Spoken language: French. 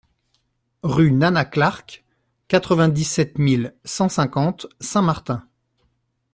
RUE NANA CLARK, quatre-vingt-dix-sept mille cent cinquante Saint Martin